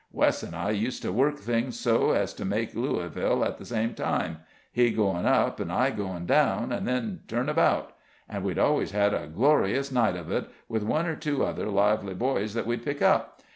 Wess and I used to work things so as to make Louisville at the same time he going up, I going down, and then turn about and we always had a glorious night of it, with one or two other lively boys that we'd pick up.